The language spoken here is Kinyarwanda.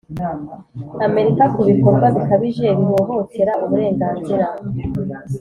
amerika ku bikorwa bikabije bihohotera uburenganzira